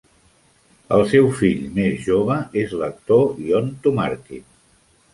El seu fill més jove és l'actor Yon Tumarkin.